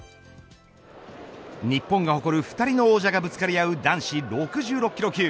日本が誇る２人の王者がぶつかり合う、男子６６キロ級。